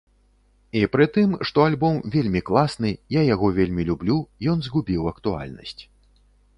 І пры тым, што альбом вельмі класны, я яго вельмі люблю, ён згубіў актуальнасць.